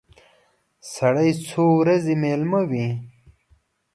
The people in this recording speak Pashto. سړی څو ورځې مېلمه وي.